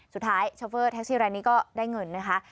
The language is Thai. สุดท้ายชาวเฟิร์ดแท็กซี่รายนี้ก็ได้เงินนะคะ